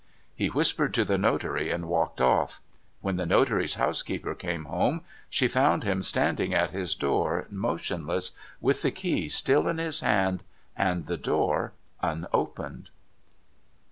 He whispered to the notary and walked off. ^^'hen the notary's housekeeper came home, she found him standing at his door motionless, with the key still in his hand, and the door unopened.